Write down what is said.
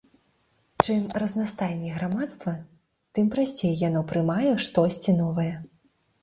Чым разнастайней грамадства, тым прасцей яно прымае штосьці новае.